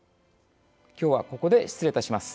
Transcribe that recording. きょうは、ここで失礼いたします。